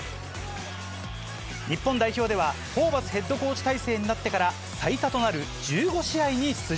日本代表ではホーバスヘッドコーチ体制になってから最多となる１５試合に出場。